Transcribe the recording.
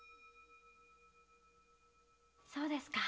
そうですか。